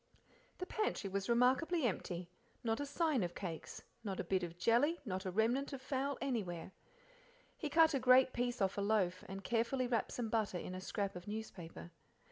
The pantry was remarkably empty not a sign of cakes, not a bit of jelly, not a remnant of fowl anywhere. He cut a great piece off a loaf, and carefully wrapped some butter in a scrap of newspaper.